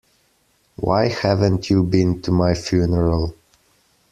Why haven't you been to my funeral?